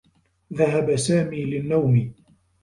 ذهب سامي للنّوم.